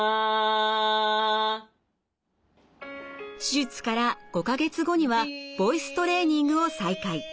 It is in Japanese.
手術から５か月後にはボイストレーニングを再開。